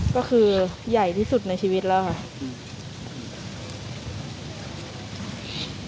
ก็คือใหญ่ที่สุดในชีวิตแล้วค่ะ